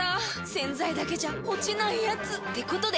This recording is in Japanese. ⁉洗剤だけじゃ落ちないヤツってことで。